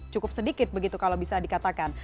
cukup sedikit begitu kalau bisa dikatakan